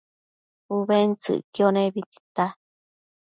ubentsëcquio nebi tita